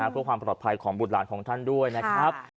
เพื่อความปลอดภัยของบุตรหลานของท่านด้วยนะครับ